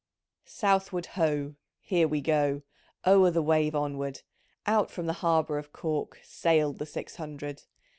Southward Ho — Here we go I O'er the wave onward Out from the Harbour of Cork Sailed the Six Hundred